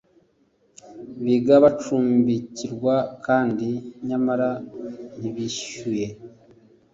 biga bacumbikirwa kandi nyamara ntibishyuye